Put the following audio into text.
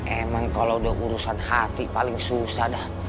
emang kalau udah urusan hati paling susah dah